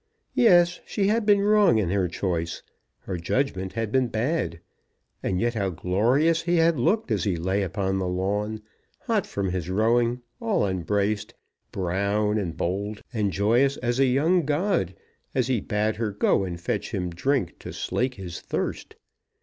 Yes; she had been wrong in her choice. Her judgment had been bad. And yet how glorious he had looked as he lay upon the lawn, hot from his rowing, all unbraced, brown and bold and joyous as a young god, as he bade her go and fetch him drink to slake his thirst!